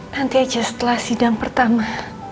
nanti aja setelah sidang pertama